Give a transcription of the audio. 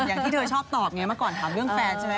อย่างที่เธอชอบตอบไงเมื่อก่อนถามเรื่องแฟนใช่ไหม